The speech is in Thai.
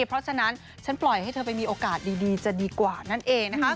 เพราะฉะนั้นฉันปล่อยให้เธอไปมีโอกาสดีจะดีกว่านั่นเองนะคะ